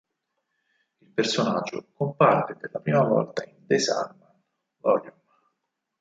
Il personaggio comparve per la prima volta in "The Sandman" vol.